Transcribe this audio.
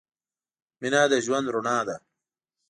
مینه د ژوند رڼا ده.